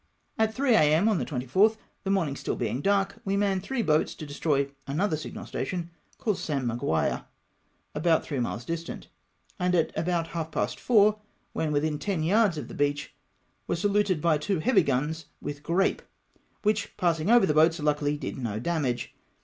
At 3 A.M., on the 24th, the morning being still dark, w^e manned three boats to destroy another signal station called St. Maguire, about three miles distant, and at about half past four, when witliin ten yards of the beach, Avere saluted by two heavy gims with grape, wliich, passing over the boats, lucidly did no damage.